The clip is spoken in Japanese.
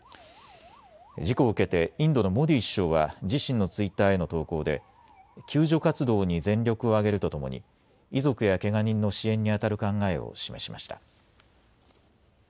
事故を受けてインドのモディ首相は自身のツイッターへの投稿で救助活動に全力を挙げるとともに遺族やけが人の支援にあたる考えを示しました。